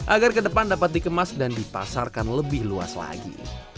agar ke depan dapat dikemas dan dipasarkan lebih luas lagi